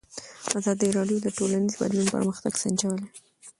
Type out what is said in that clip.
ازادي راډیو د ټولنیز بدلون پرمختګ سنجولی.